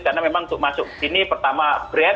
karena memang untuk masuk ke sini pertama brand